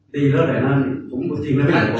ดีแล้วแต่งานผมดูจริงไม่ได้พูดผล